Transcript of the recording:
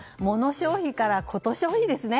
消費から、こと消費ですね。